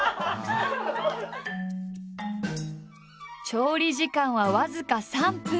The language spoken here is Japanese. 調理時間は僅か３分。